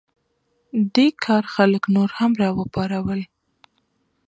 دې کار خلک نور هم راوپارول.